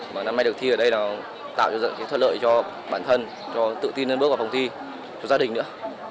mà năm nay được thi ở đây tạo ra thuận lợi cho bản thân cho tự tin lên bước vào phòng thi cho gia đình nữa